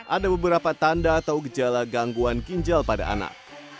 ada beberapa tanda atau gejala gangguan ginjal pada anak